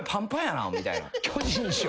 巨人師匠